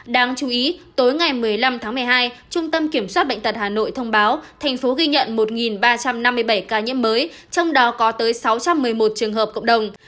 đáng chú ý tối ngày một mươi năm tháng một mươi hai trung tâm kiểm soát bệnh tật hà nội thông báo thành phố ghi nhận một ba trăm năm mươi bảy ca nhiễm mới trong đó có tới sáu trăm một mươi một trường hợp cộng đồng